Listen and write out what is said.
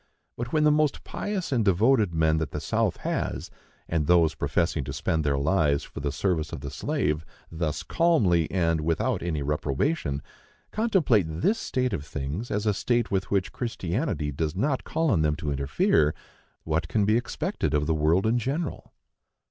But, when the most pious and devoted men that the South has, and those professing to spend their lives for the service of the slave, thus calmly, and without any reprobation, contemplate this state of things as a state with which Christianity does not call on them to interfere, what can be expected of the world in general?